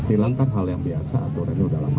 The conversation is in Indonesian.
tilang kan hal yang biasa aturannya udah lama